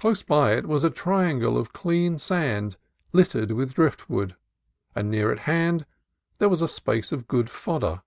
Close by it was a triangle of clean sand, littered with driftwood; and near at hand there was a space of good fodder.